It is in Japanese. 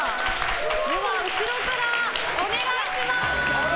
後ろからお願いします！